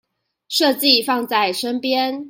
設計放在身邊